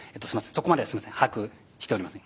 そこまではすいません把握しておりません。